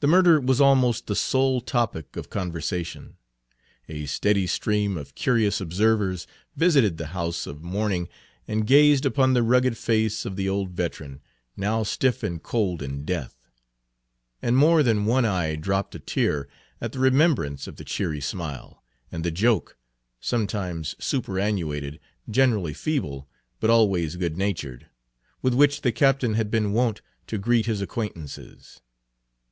The murder was almost the sole topic of conversation. A steady stream of curious observers visited the house of mourning, and gazed upon the rugged face of the old veteran, now stiff and cold in death; and more than one eye dropped a tear at the remembrance of the cheery smile, and the joke sometimes superannuated, generally feeble, but always good natured with which the captain had been wont to greet his acquaintances.